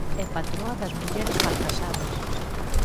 É patroa das mulleres mal casadas.